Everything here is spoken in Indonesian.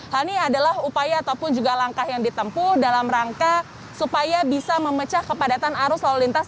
hal ini adalah upaya ataupun juga langkah yang ditempuh dalam rangka supaya bisa memecah kepadatan arus lalu lintas